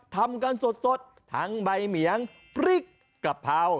ทำกันสดทั้งใบเหมียงพริกกะเพรา